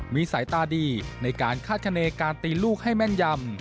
มีสายตาดีในการคาดคณีการตีลูกให้แม่นยำ